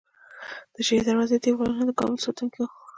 د شیردروازې دیوالونه د کابل ساتونکي وو